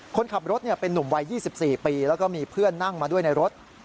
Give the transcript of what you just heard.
คนขับรถเป็นนุ่มวัย๒๔ปีแล้วก็มีเพื่อนนั่งมาด้วยในรถ